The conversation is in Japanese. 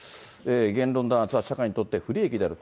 言論弾圧は社会にとって不利益である。